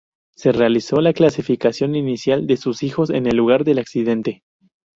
Se realizó la clasificación inicial de sus hijos en el lugar del accidente.